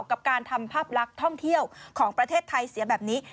กับการทำภาพลักษณ์ท่องเที่ยวของประเทศไทยเสียแบบนี้